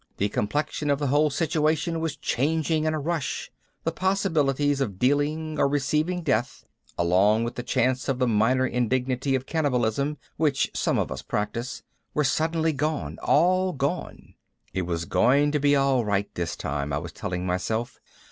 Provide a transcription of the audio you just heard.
The complexion of the whole situation was changing in a rush. The possibilities of dealing or receiving death along with the chance of the minor indignity of cannibalism, which some of us practice were suddenly gone, all gone. It was going to be all right this time, I was telling myself.